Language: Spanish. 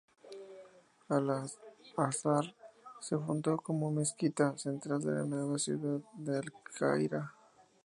Al-Azhar se fundó como mezquita central de la nueva ciudad de al-Qahira.